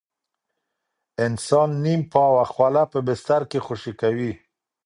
انسان نیم پاوه خوله په بستر کې خوشې کوي.